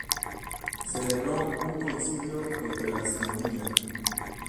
Celebró un concilio contra la simonía.